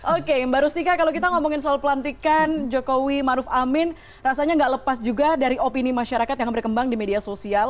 oke mbak rustika kalau kita ngomongin soal pelantikan jokowi maruf amin rasanya nggak lepas juga dari opini masyarakat yang berkembang di media sosial